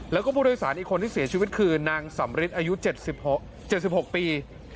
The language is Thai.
แล้วก็ผู้โดยสารอีกคนที่เสียชีวิตคือนางสำริทอายุ๗๖ปี